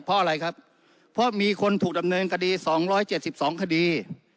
เพราะอะไรครับเพราะมีคนถูกดำเนินคดี๒๗๒คดี